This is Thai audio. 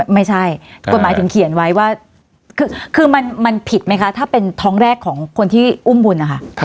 ไม่ใช่กฎหมายถึงเขียนไว้ว่าคือมันผิดไหมคะถ้าเป็นท้องแรกของคนที่อุ้มบุญนะคะ